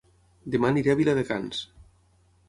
Dema aniré a Viladecans